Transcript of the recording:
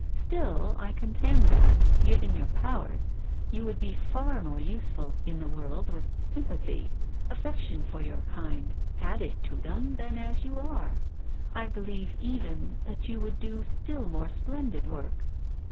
Still I contend that, given your powers, you would be far more useful in the world with sympathy, affection for your kind, added to them than as you are. I be lieve even that you would do still more splendid work."